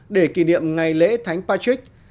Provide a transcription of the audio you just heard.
để kỷ niệm ngày lễ thánh patrick